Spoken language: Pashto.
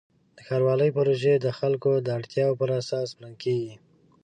د ښاروالۍ پروژې د خلکو د اړتیاوو پر اساس پلان کېږي.